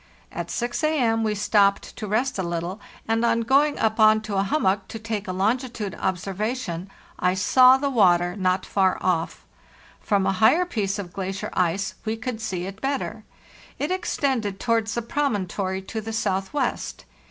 At 6 A.M. we stopped to rest a little, and on going up on to a hummock to take a longitude observa tion I saw the water not far off. From a higher piece of eglacier ice we could see it better. It extended towards the promontory to the southwest.